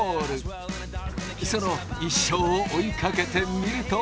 その一生を追いかけてみると。